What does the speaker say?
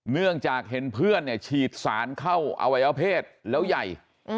เนื่องจากเห็นเพื่อนเนี่ยฉีดสารเข้าอวัยวเพศแล้วใหญ่